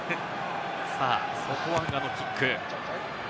ソポアンガのキック。